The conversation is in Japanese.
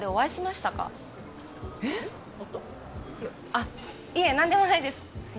あっいえ何でもないです